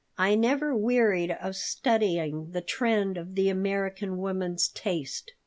I never wearied of studying the trend of the American woman's taste.